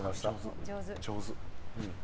上手。